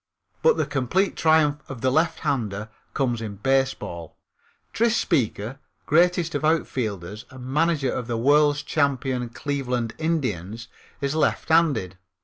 But the complete triumph of the lefthander comes in baseball. Tris Speaker, greatest of outfielders and manager of the world's champion Cleveland Indians, is lefthanded.